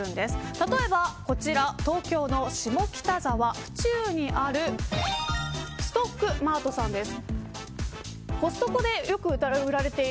例えばこちら東京の下北沢府中にあるストックマートさんです。